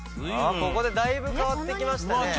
ここでだいぶ変わって来ましたね。